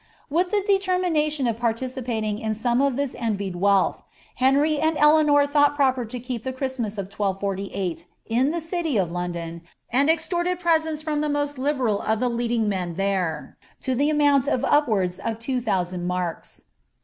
''* With the determination of participating in some of this envied wealth, Henry and Eleanor thought proper to keep the Christmas of 1248 in the city of London, and extorted presents from the most liberal of the leading men there, to the amount of upwanls of two thousand marks.'